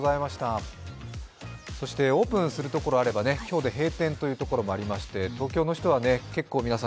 オープンするところがあれば今日で閉店というところもありまして東京の人は結構皆さん